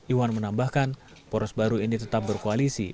iwan menambahkan poros baru ini tetap berkoalisi